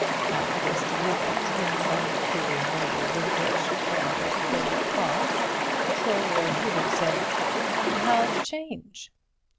After this deliberate insult to a noble vintage there was a further pause, till Lord Peter said: "'How's 'Change?"